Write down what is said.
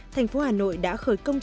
thành phố hà nội đã khởi công